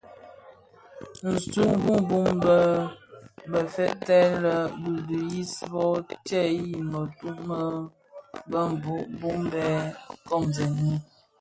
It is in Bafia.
Ntug wu bum bë bè fèëfèg lè bi dhiyis bö tseghi mëtug me bhehho bum bë komzèn ňyi.